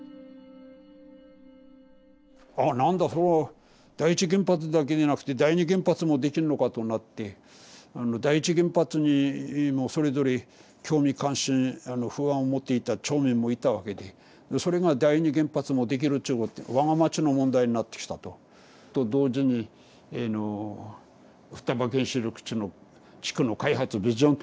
「あなんだ第一原発だけでなくて第二原発もできるのか」となって第一原発にもそれぞれ興味関心不安を持っていた町民もいたわけでそれが第二原発もできるっちゅうことで我が町の問題になってきたと。と同時にあの双葉原子力地の地区の開発ビジョン